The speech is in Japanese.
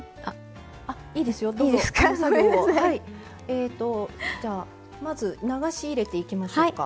えとじゃあまず流し入れていきましょうか。